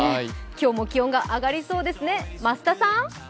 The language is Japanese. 今日も気温が上がりそうですね。